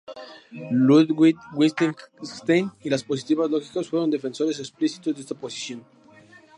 Ludwig Wittgenstein y los positivistas lógicos fueron defensores explícitos de esta posición.